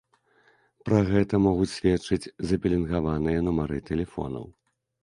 Пра гэта могуць сведчыць запеленгаваныя нумары тэлефонаў.